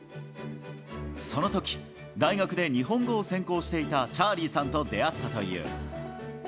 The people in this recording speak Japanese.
そのとき、大学で日本語を専攻していたチャーリーさんと出会ったという。